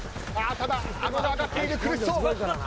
ただ、あごが上がっている苦しそう。